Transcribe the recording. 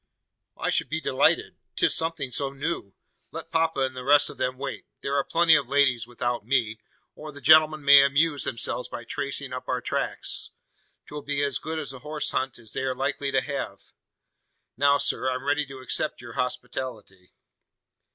"I should be delighted. 'Tis something so new. Let papa and the rest of them wait. There are plenty of ladies without me; or the gentlemen may amuse themselves by tracing up our tracks. 'Twill be as good a horse hunt as they are likely to have. Now, sir, I'm ready to accept your hospitality."